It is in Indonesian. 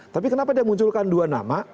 tapi kenapa dia munculkan dua nama